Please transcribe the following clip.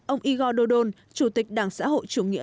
ông igor dodon chủ tịch đảng xã hội chủ nghĩa